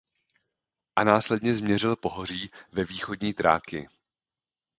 A následně změřil pohoří ve východní Thrákii.